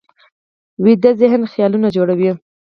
ویده ذهن خیالونه جوړوي